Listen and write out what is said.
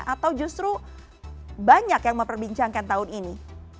atau justru banyak yang memperbincangkan tahun ini